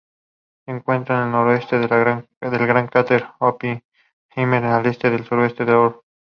Se encuentra al noroeste del gran cráter Oppenheimer y al este-sureste de Orlov.